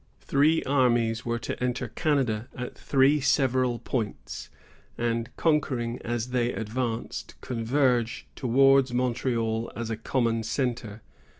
Three armies were to enter Canada at three several points, and, conquering as they advanced, converge towards Montreal as a common centre.